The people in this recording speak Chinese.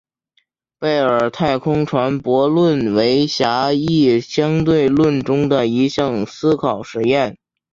贝尔太空船悖论为狭义相对论中的一项思考实验。